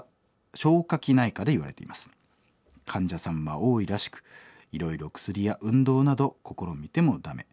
患者さんは多いらしくいろいろ薬や運動など試みても駄目。